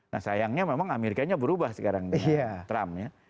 nah sayangnya memang amerikanya berubah sekarang dengan trump ya